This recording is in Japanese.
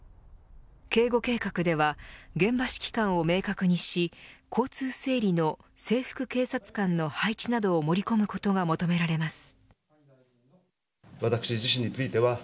警護計画では現場指揮官を明確にし交通整理の制服警察官の配置などを盛り込むことが求められます。